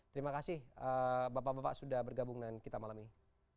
terima kasih bapak bapak sudah bergabung dengan kita malam ini